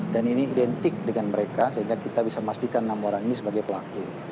dan ini identik dengan mereka sehingga kita bisa memastikan enam orang ini sebagai pelaku